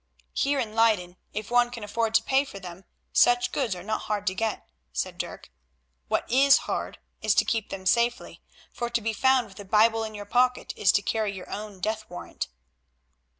"Here in Leyden, if one can afford to pay for them, such goods are not hard to get," said Dirk; "what is hard is to keep them safely, for to be found with a Bible in your pocket is to carry your own death warrant."